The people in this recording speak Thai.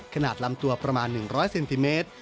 ขนาดลำตัวประมาณ๑๐๐เซนติเมตร